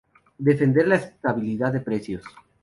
Defender la estabilidad de precios.